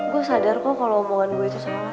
gue sadar kok kalo omongan gue itu salah